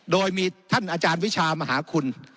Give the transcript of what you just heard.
โดยมีท่านอาจารย์วิชามหาคุณ